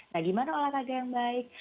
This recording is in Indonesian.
nah gimana olahraga yang baik